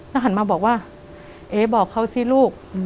แล้วหันมาบอกว่าเอ๊บอกเขาสิลูก